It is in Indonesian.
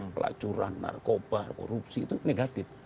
pelacuran narkoba korupsi itu negatif